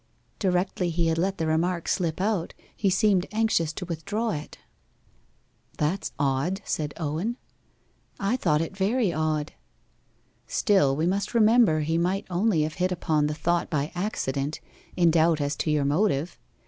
Directly he had let the remark slip out, he seemed anxious to withdraw it.' 'That's odd,' said Owen. 'I thought it very odd.' 'Still we must remember he might only have hit upon the thought by accident, in doubt as to your motive.